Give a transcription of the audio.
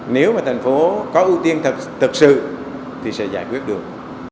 nếu mà thành phố có ưu tiên thật sự thì sẽ giải quyết được